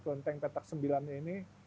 konten petak sembilan ini